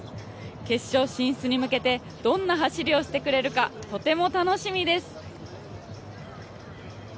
決勝進出に向けてどんな走りをしてくれるか、とても楽しみです。